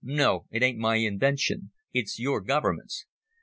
No, it ain't my invention. It's your Government's.